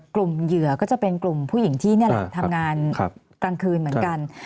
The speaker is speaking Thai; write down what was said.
กลุ่มเหยื่อก็จะเป็นกลุ่มผู้หญิงที่ทำงานกลางคืนเหมือนกัน